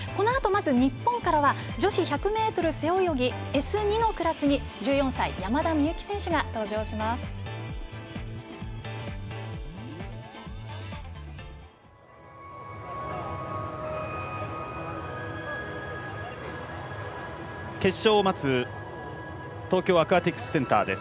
日本からは女子１００ｍ背泳ぎＳ２のクラスに１４歳山田美幸選手が登場します。